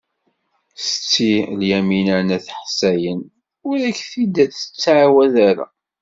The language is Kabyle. Setti Lyamina n At Ḥsayen ur ak-t-id-tettɛawad ara.